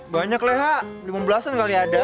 banyak lah lima belas an kali ada